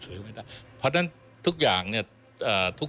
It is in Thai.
เพราะฉะนั้นทุกสมสอสค่อนข้างเคลียร์นะครับ